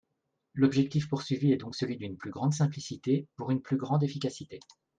L’objectif poursuivi est donc celui d’une plus grande simplicité, pour une plus grande efficacité.